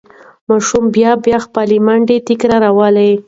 ماشوم بیا بیا خپله منډه تکراروله.